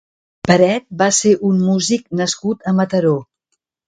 Peret va ser un músic nascut a Mataró.